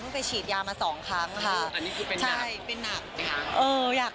เพิ่งเข้าโรงพยาบาลเพิ่งไปฉีดยามาสองครั้งค่ะอันนี้คือเป็นหนักใช่เป็นหนัก